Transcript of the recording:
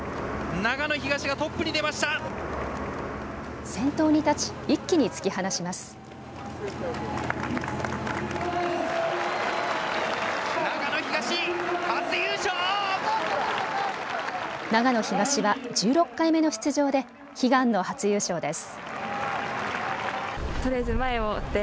長野東は１６回目の出場で悲願の初優勝です。